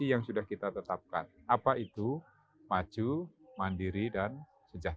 binaikan masyarakat indonesia maka hanya menanginduan tidak jadi organisasi dalam